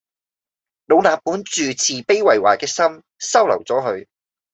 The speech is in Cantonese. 老衲本住慈悲為懷嘅心，收留咗佢